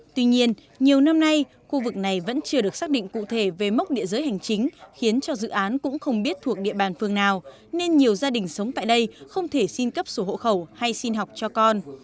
tuy nhiên nhiều năm nay khu vực này vẫn chưa được xác định cụ thể về mốc địa giới hành chính khiến cho dự án cũng không biết thuộc địa bàn phường nào nên nhiều gia đình sống tại đây không thể xin cấp sổ hộ khẩu hay xin học cho con